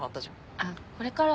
あっこれからは。